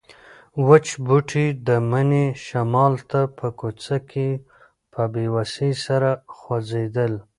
وچ بوټي د مني شمال ته په کوڅه کې په بې وسۍ سره خوځېدل.